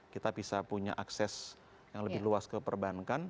kita bisa punya akses yang lebih luas ke perbankan